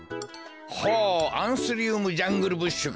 ほうアンスリウムジャングルブッシュか。